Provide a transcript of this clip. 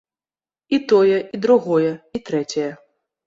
І тое, і другое, і трэцяе!